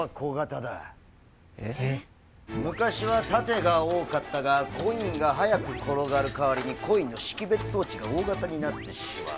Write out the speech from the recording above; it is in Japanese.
昔は縦が多かったがコインが速く転がる代わりにコインの識別装置が大型になってしまう